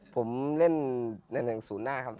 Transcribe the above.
ผมเล่นตำแหน่งศูนย์หน้าครับ